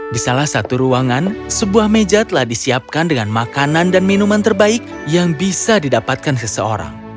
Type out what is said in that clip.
di salah satu ruangan sebuah meja telah disiapkan dengan makanan dan minuman terbaik yang bisa didapatkan seseorang